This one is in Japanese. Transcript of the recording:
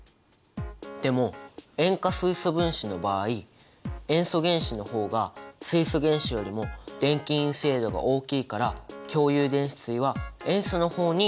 でも塩化水素分子の場合塩素原子の方が水素原子よりも電気陰性度が大きいから共有電子対は塩素の方に引き付けられる。